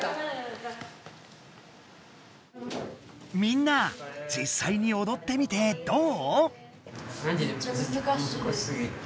みんなじっさいにおどってみてどう？